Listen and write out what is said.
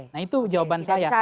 nah itu jawaban saya